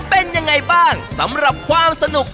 เป็นยังไงบ้างสำหรับความสนุก